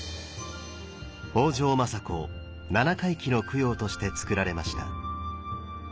北条政子７回忌の供養としてつくられました。